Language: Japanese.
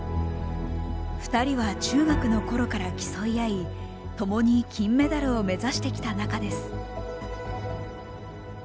２人は中学の頃から競い合い共に金メダルを目指してきた仲です。